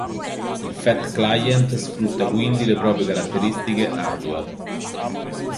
Il fat client sfrutta quindi le proprie caratteristiche hardware.